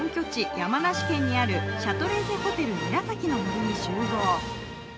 山梨県にあるシャトレーゼホテルにらさきの森に集合。